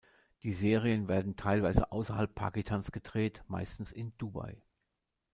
Die Serien werden teilweise außerhalb Pakistans gedreht; meistens in Dubai.